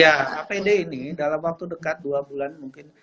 ya apd ini dalam waktu dekat dua bulan mungkin